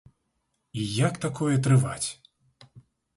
І як такое трываць?